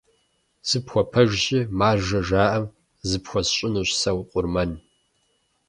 Сыпхуэпэжщи, «маржэ» жаӀэм, зыпхуэсщӀынущ сэ къурмэн.